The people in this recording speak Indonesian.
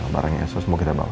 barangnya elsa semua kita bawa